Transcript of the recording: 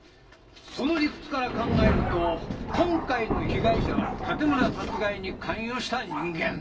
その理屈から考えると今回の被害者は盾村殺害に関与した人間。